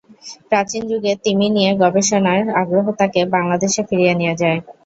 প্রাচীন যুগের তিমি নিয়ে গবেষণার আগ্রহ তাঁকে বাংলাদেশে ফিরিয়ে নিয়ে যায়।